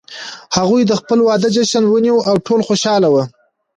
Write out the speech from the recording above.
هغوی د خپل واده جشن ونیو او ټول خوشحال وو